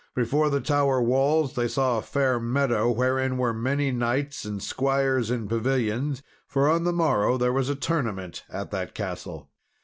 Before the tower walls, they saw a fair meadow, wherein were many knights and squires in pavilions, for on the morrow there was a tournament at that castle.